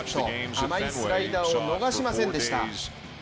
甘いスライダーを逃しませんでした。